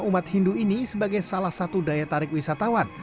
umat hindu ini sebagai salah satu daya tarik wisatawan